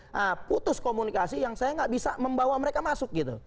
nah putus komunikasi yang saya nggak bisa membawa mereka masuk gitu